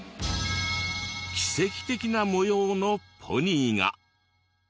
奇跡的な模様のポニーが。